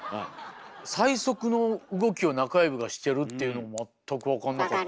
最速の動きを中指がしてるっていうのも全く分かんなかった。